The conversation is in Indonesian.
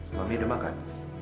mami udah makan